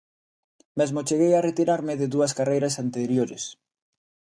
Mesmo cheguei a retirarme de dúas carreiras anteriores.